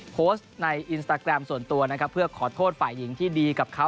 โพสต์ในอินสตาแกรมส่วนตัวนะครับเพื่อขอโทษฝ่ายหญิงที่ดีกับเขา